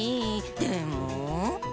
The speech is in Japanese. でも。